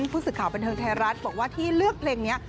ผู้สื่อข่าวบันเทิงไทยรัฐบอกว่าที่เลือกเพลงนี้